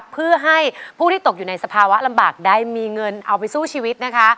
เพื่อให้ผู้ที่ตกอยู่ในสภาวะลำบากได้มีเงินเอาไปสู้ชีวิตนะคะ